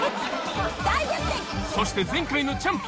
［そして前回のチャンピオン］